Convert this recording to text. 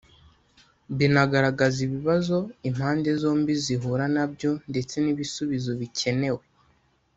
binagaragaza ibibazo impande zombi zihura nabyo ndetse n’ibisubizo bikenewe